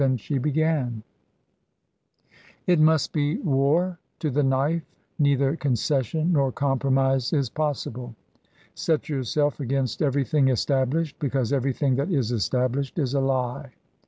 Then she began :"* It must be war to the knife, neither concession nor compromise is possible. Set yourself against every thing established, because everything that is established is a lie.